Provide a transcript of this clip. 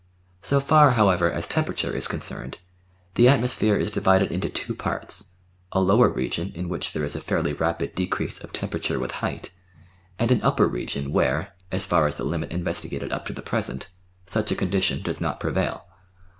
So far, however, as temperature is concerned, the atmosphere is divided into two parts, a lower region in which there is a fairly rapid decrease of temperature with height, and an upper region where, as far as the limit investigated up to the present, such a condition does not prevail.